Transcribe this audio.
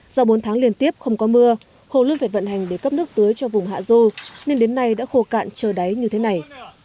do bốn tháng liên tiếp không có mưa hồ luôn phải vận hành để cấp nước tưới cho vùng hạ dô nên đến nay đã khô cạn trời đáy như thế này